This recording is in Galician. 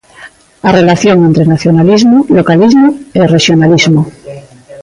A relación entre nacionalismo, localismo e rexionalismo.